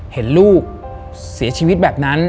เห็นลูกเสียชีวิตแบบนั้น